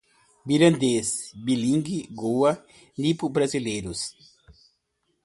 mirandês, bilíngue, Goa, nipo-brasileiros